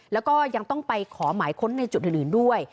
แล้วก็ยังต้องไปขอหมายค้นในจุดอื่นด้วย